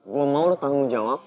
gue mau lo tanggung jawab